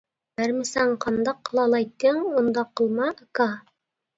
بەرمىسەڭ قانداق قىلالايتتىڭ؟ ئۇنداق قىلما ئاكا!